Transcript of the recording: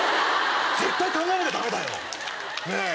絶対考えなきゃダメだよ！